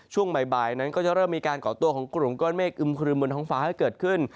ช่วงใหม่นั้นก็จะเริ่มมีการก่อตัวกรุงก้อนเมฆอึมคลื่นบนฟ้าให้เกิดขึ้น